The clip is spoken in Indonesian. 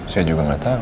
saya juga gak tau